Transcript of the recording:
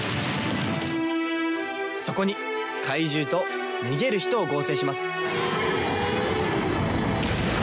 そこに怪獣と逃げる人を合成します。